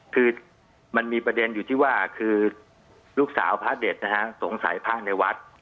คือมันมีประเด็นอยู่ที่ว่าคือลูกสาวพระเด็ดนะฮะสงสัยพระในวัด